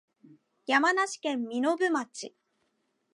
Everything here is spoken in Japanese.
山梨県身延町